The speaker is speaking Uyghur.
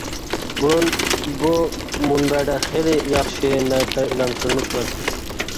بۇرۇن بۇ مۇنبەردە خېلى ياخشى نەرسىلەر ئېلان قىلىنىپ تۇراتتى.